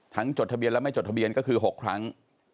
จดทะเบียนและไม่จดทะเบียนก็คือ๖ครั้ง